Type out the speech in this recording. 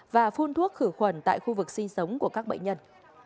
và phun thuốc khử khuẩn tại khu vực sinh sống của các bệnh nhân